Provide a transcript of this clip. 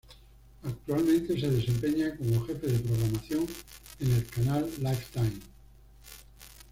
Actualmente se desempeña como jefe de programación en el canal Lifetime.